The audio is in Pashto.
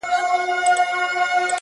دا په ټولو موږكانو كي سردار دئ-